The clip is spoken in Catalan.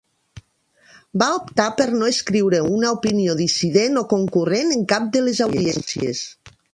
Va optar per no escriure una opinió dissident o concurrent, en cap de les audiències.